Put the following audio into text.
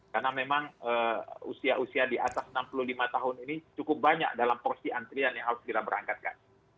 karena memang usia usia di atas enam puluh lima tahun ini cukup banyak dalam porsi antrian yang harus kita berangkatkan